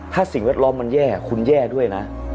ถ้าสิ่งแวดล้อมมันแย่คุณแย่ด้วยนะ